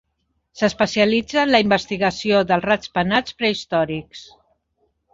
S'especialitza en la investigació dels rats penats prehistòrics.